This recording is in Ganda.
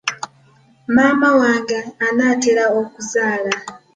Maama wange anaatera okuzaala.